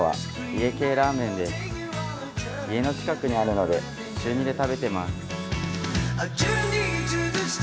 家の近くにあるので週２で食べてます。